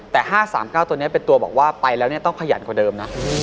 แต่๕๓๙ตัวนี้เป็นตัวบอกว่าไปแล้วต้องขยันกว่าเดิมนะ